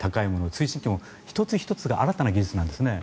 通信機器も１つ１つが新たな技術なんですね。